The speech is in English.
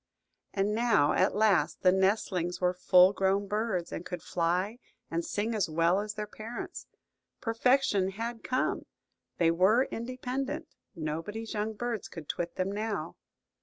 And now at last the nestlings were full grown birds, and could fly and sing as well as their parents. Perfection had come; they were independent; nobody's young birds could twit them now.